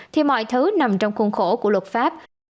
thì mọi thứ nằm trong khuôn khổ của luật pháp